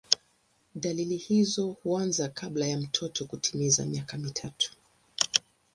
Dalili hizo huanza kabla ya mtoto kutimiza miaka mitatu.